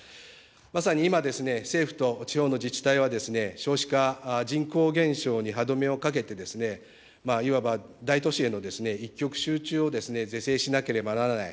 まさに今、政府と地方の自治体は、少子化、人口減少に歯止めをかけて、いわば大都市への一極集中を是正しなければならない。